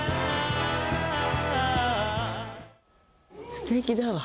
すてきだわ。